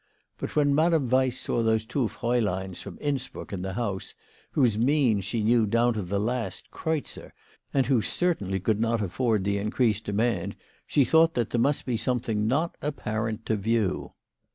But when Madame "Weiss saw those two frauleins from Innsbruck in the house, whose means she knew down to the last kreutzer, and who certainly could not afford the in creased demand, she thought that there must be some thing not apparent to view.